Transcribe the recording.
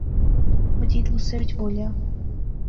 مجید غصے وچ بولیا